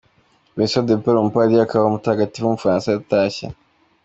Vincent de Paul, umupadiri akaba n’umutagatifu w’umufaransa yaratashye.